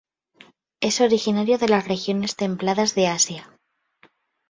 Es originario de las regiones templadas de Asia.